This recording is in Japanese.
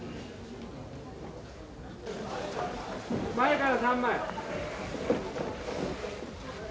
前から３枚。